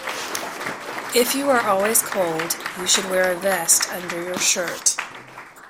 If you are always cold, you should wear a vest under your shirt